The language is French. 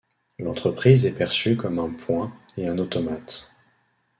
L'entreprise est perçue comme un point et un automate.